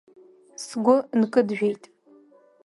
Сгәы нкыджәеит…